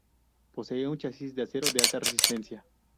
Posee un chasis de acero de alta resistencia.